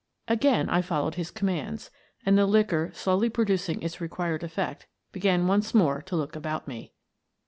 Again I followed his commands, and, the liquor slowly producing its required effect, began once more to look about me.